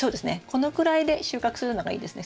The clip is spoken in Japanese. このくらいで収穫するのがいいですね。